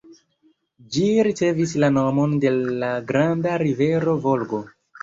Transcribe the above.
Ĝi ricevis la nomon de la granda rivero Volgo.